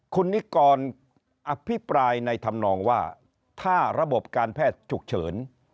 คุณนิกรอภิปรายในธรรมนองว่าถ้าระบบการแพทย์ฉุกเฉิน